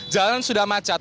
jalan sudah macat